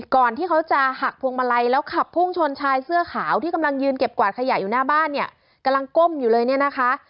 ก่อนที่เขาจะหักพวงมาลัยแล้วขับพุ่งชนชายเสื้อขาวที่กำลังยืนเก็บกวาดขยะอยู่หน้าบ้านเนี่ยกำลังก้มอยู่เลยเนี่ยนะคะ